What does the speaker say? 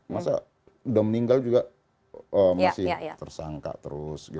masa sudah meninggal juga masih tersangka terus